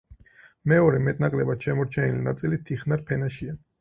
მეორე, მეტნაკლებად შემორჩენილი ნაწილი თიხნარ ფენაშია.